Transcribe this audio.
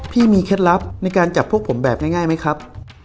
มีเคล็ดลับในการจับพวกผมแบบง่ายไหมครับ